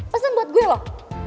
pesen buat gue loh